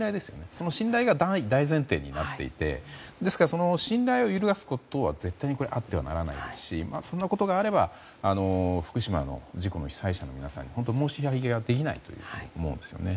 その信頼が大前提でですから、信頼を揺るがすことは絶対にあってはならないですしそんなことがあれば福島の事故の被災者の皆さんに本当に申し開きができないと思うんですね。